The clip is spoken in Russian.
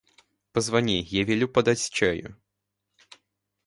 Позвони, я велю подать чаю.